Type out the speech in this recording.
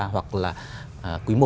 hoặc là quý một